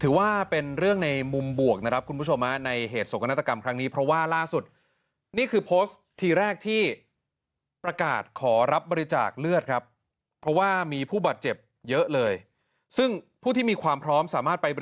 ถือว่าเป็นเรื่องในมุมบวกในเหตุสกนาฏกรรมครั้งนี้